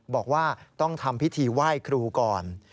บอกว่าต้องทำพิธีไหว้ครูก่อน